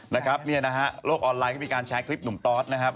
นะครับเนี่ยนะฮะโลกออนไลน์ก็มีการแชร์คลิปหนุ่มตอสนะครับ